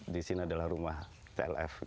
di sini adalah rumah plf